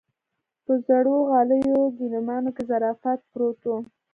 په زړو غاليو ګيلمانو کې ظرافت پروت و.